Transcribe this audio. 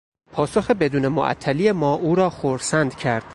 پاسخ بدون معطلی ما او را خرسند کرد.